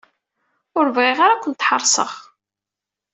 Ur bɣiɣ ara ad kent-ḥeṛseɣ.